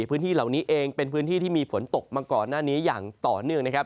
พื้นที่เหล่านี้เองเป็นพื้นที่ที่มีฝนตกมาก่อนหน้านี้อย่างต่อเนื่องนะครับ